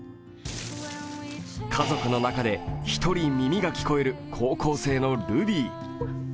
家族の中で１人、耳が聞こえる高校生のルビー。